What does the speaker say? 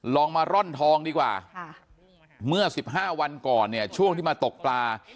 ลองมาร่อนทองดีกว่าเมื่อ๑๕วันก่อนเนี่ยช่วงที่มาตกปลา